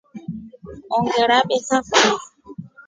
Ongerabesa Kwanza.